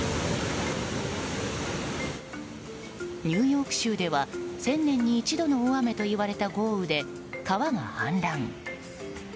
ニューヨーク州では１０００年に一度の大雨といわれた豪雨で川が氾濫。